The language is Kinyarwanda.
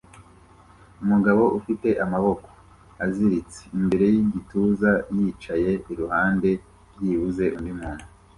Umugabo ufite amaboko aziritse imbere yigituza yicaye iruhande byibuze undi muntu